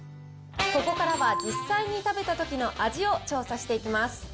ここからは実際に食べたときの味を調査していきます。